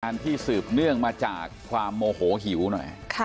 อันที่สืบเนื่องมาจากความโมโหหิวหน่อย